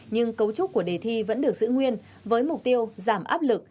nhưng cấu trúc của đề thi vẫn được giữ nguyên với mục tiêu giảm áp lực